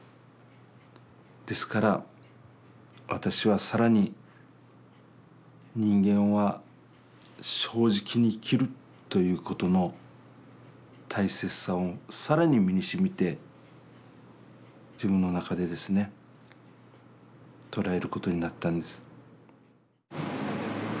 ですから私は更に人間は正直に生きるということの大切さを更に身にしみて自分の中でですね捉えることになったんです。